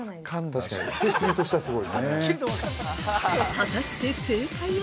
◆果たして、正解は！？